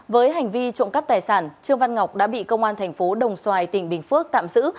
với hành vi trộm cắp tài sản trương văn ngọc đã bị công an thành phố đồng xoài tỉnh bình phước tạm giữ